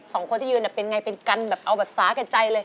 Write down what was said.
สองคนที่ยืนเป็นไงเป็นกันแบบเอาแบบสาแก่ใจเลย